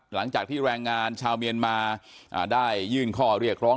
หลังจากที่แรงงานชาวเมียนมาได้ยื่นข้อเรียกร้อง